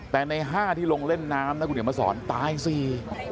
แต่ในห้าที่ลงเล่นน้ำนะคุณเดี๋ยวมาสอนตายสี่